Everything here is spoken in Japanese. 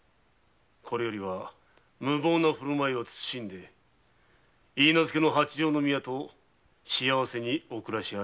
これよりは無謀な振る舞いは慎み許婚の八条の宮と幸せにお暮らしあれ。